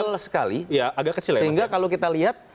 kecil sekali sehingga kalau kita lihat